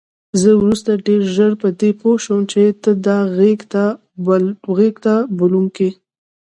زه وروسته ډېره ژر په دې پوه شوم چې ته دا غېږ ته بلونکی.